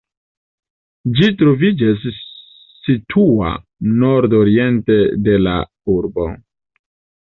Ĝi troviĝas situa nordoriente de la urbo.